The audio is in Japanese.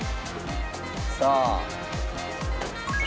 さあ。